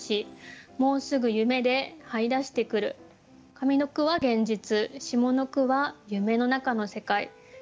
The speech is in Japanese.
上の句は現実下の句は夢のなかの世界。